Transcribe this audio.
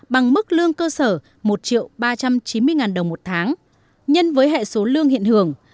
bằng mức lương cơ sở một ba trăm chín mươi đồng một tháng nhân với hệ số lương hiện hưởng